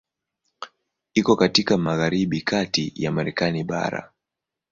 Iko katika magharibi kati ya Marekani bara.